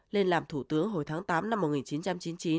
lên làm thủ tướng hồi tháng tám năm một nghìn chín trăm chín mươi chín